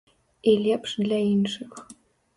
І лепш для іншых.